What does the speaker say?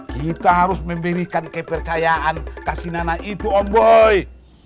kita harus memberikan kepercayaan ke si nana itu om boy